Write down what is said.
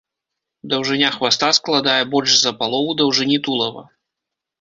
Даўжыня хваста складае больш за палову даўжыні тулава.